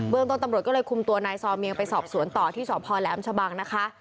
เมืองต้นตำรวจก็เลยคุมตัวนายซอเมียงไปสอบสวนต่อที่สพแหลมชะบังนะคะ